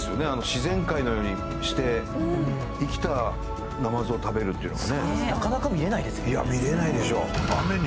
自然界のようにして生きたナマズを食べるっていうのがねなかなか見れないですよねいや見れないでしょう